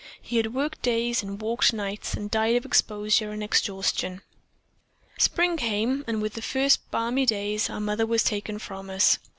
He had worked days and walked nights and died of exposure and exhaustion. "Spring came and with the first balmy days our mother was taken from us.